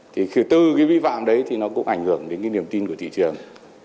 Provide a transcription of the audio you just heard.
thì từ cái vi phạm đấy thì nó cũng ảnh hưởng đến cái niềm tin của thị trường